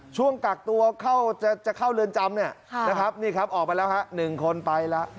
ช่วงกักตัวจะเข้าเรือนจำเนี่ยนะครับนี่ครับออกไปแล้วฮะ๑คนไปแล้ว